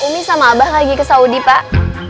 umi sama abah lagi ke saudi pak